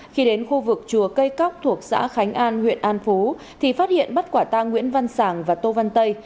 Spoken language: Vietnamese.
khi đến khu vực chùa cây cóc thuộc xã khánh an huyện an phú thì phát hiện bắt quả tang nguyễn văn sàng và tô văn tây